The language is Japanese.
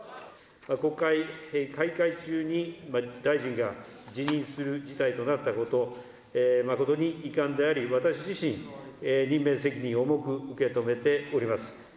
国会開会中に大臣が辞任する事態となったこと、誠に遺憾であり、私自身、任命責任を重く受け止めております。